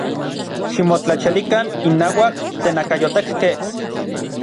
¡Ximotlachialikan innauak tenakayotekkej!